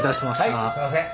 はいすいません。